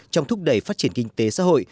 trong thúc đẩy phát triển kinh tế xã hội